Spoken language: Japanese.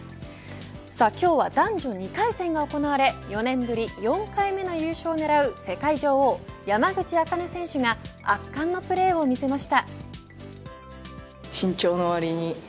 今日は男女２回戦が行われ２年ぶり４回目の優勝を狙う世界女王山口茜選手が圧巻のプレーを見せました。